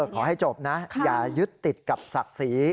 ขอให้จบนะอย่ายึดติดกับศักดิ์ศรี